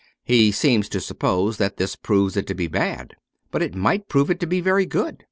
He seems to suppose that this proves it to be bad. But it might prove it to be very good.